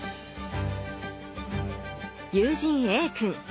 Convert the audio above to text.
友人Ａ君。